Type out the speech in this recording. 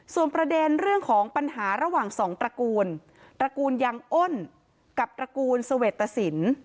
ส่วนประเด็นเรื่องของปัญหาระหว่างสองตระกูลตระกูลยังอ้นกับตระกูลเสวตสิน